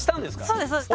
そうですそうです。